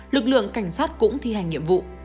lực lượng cảnh sát cũng thi hành nhiệm vụ